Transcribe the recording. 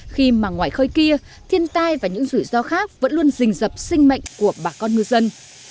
khi mà ngoài khơi kia thiên tai và những rủi ro khác vẫn luôn rình dập sinh mạnh của bà con ngư dân